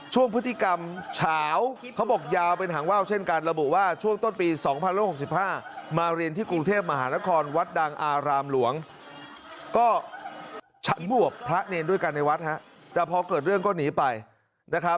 ช่วงพฤติกรรมเช้าเขาบอกยาวเป็นหางว่าวเช่นกัน